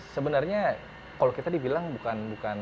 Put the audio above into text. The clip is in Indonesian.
sebenarnya kalau kita dibilang bukan